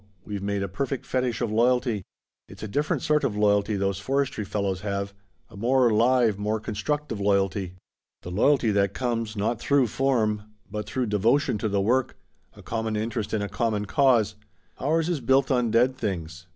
We've made a perfect fetich of loyalty. It's a different sort of loyalty those forestry fellows have a more live, more constructive loyalty. The loyalty that comes, not through form, but through devotion to the work a common interest in a common cause. Ours is built on dead things.